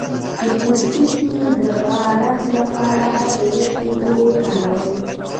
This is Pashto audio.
د پوستکي د خارښ لپاره د یخ اوبه وکاروئ